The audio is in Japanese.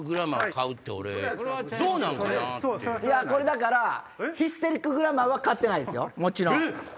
だからヒステリックグラマーは買ってないですよ。